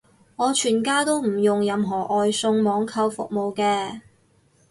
我全家都唔用任何外送網購服務嘅